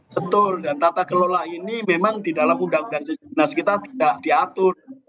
betul dan tata kelola ini memang di dalam undang undang kita tidak diatur